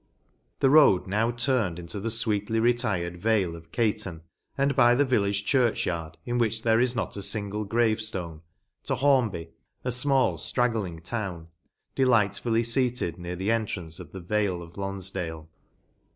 * The road now turned into the fweetly retired vale of Caton, and by the village church yard, in which there is not a fmgle graveftone, to Hornby, a fmall ftraggling town, delightfully feated near the entrance of the vale of Lonfdale.